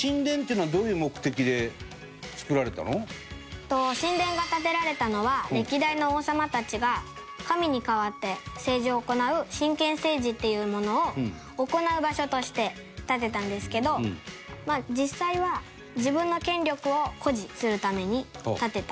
環子ちゃん：神殿が建てられたのは歴代の王様たちが神に代わって政治を行う神権政治っていうものを行う場所として建てたんですけど実際は、自分の権力を誇示するために建てた。